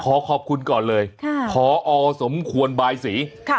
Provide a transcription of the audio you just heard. ขอขอบคุณก่อนเลยค่ะขอออสมควรบายสีค่ะ